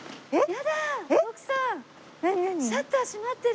やだ。